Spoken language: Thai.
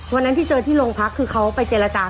วันนั้นที่เจอที่โรงพักคือเขาไปเจรจา